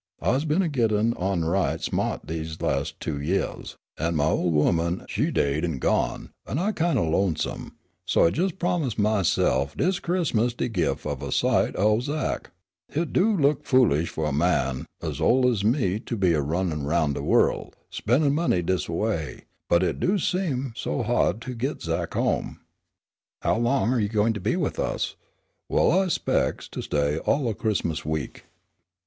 I's been gittin' on right sma't dese las' two yeahs, an' my ol' ooman she daid an' gone, an' I kin' o' lonesome, so I jes' p'omised mysef dis Crismus de gif' of a sight o' Zach. Hit do look foolish fu' a man ez ol' ez me to be a runnin' 'roun' de worl' a spen'in' money dis away, but hit do seem so ha'd to git Zach home." "How long are you going to be with us?" "Well, I 'specs to stay all o' Crismus week."